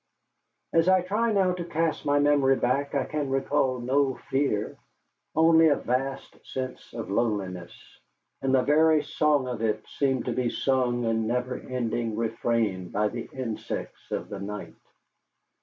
As I try now to cast my memory back I can recall no fear, only a vast sense of loneliness, and the very song of it seemed to be sung in never ending refrain by the insects of the night.